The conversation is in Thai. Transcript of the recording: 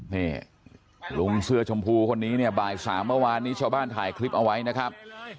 นี่ลุงเสื้อชมพูคนนี้เนี่ยบ่ายสามเมื่อวานนี้ชาวบ้านถ่ายคลิปเอาไว้นะครับ